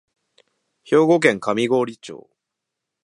兵庫県上郡町